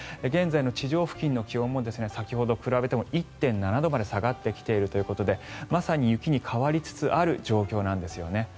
現在の地上付近の気温も先ほどと比べても１．７度に下がってきているということでまさに雪に変わりつつある状況なんですよね。